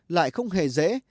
lại không hề dễ